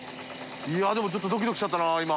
い筺舛でもちょっとドキドキしちゃったな今。